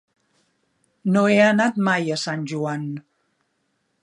No he anat mai a Sant Joan.